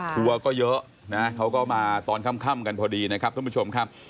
ทัวร์ก็เยอะนะเขาก็มาตอนค่ำกันพอดีนะครับท่านผู้ชมครับ